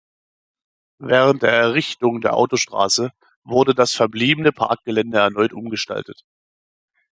Während der Errichtung der Autostraße wurde das verbliebene Parkgelände erneut umgestaltet.